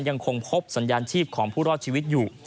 ยังคงพบสัญญาณชีพของผู้รอดชีวิตอยู่